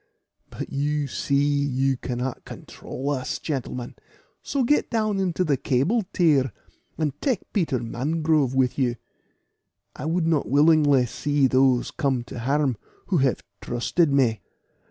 But you see you cannot control us, gentlemen; so get down into the cable tier, and take Peter Mangrove with you. I would not willingly see those come to harm who have trusted me."